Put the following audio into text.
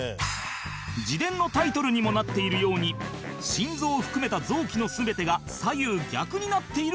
自伝のタイトルにもなっているように心臓を含めた臓器の全てが左右逆になっているという